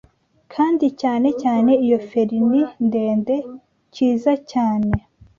kandi cyane cyane iyo ferini ndende, Cyiza cyane,